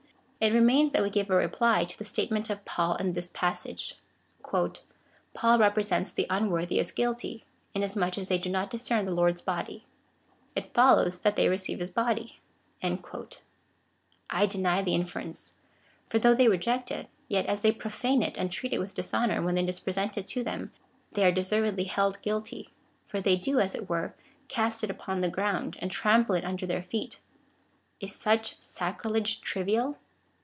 It remains, that we give a reply to the statement of Paul in this passage. " Paul represents the unworthy as guilty, inasmuch as they do not discern the Lord's body : it follows, that they receive his body." I deny the inference ; for though they reject it, yet as they profane it and treat it with dishonour when it is presented to them, they are deservedly held guilty ; for they do, as it were, cast it upon the ground, and tramj)le it under their feet. Is such sacrilege trivial